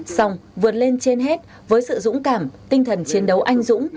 xong vượt lên trên hết với sự dũng cảm tinh thần chiến đấu anh dũng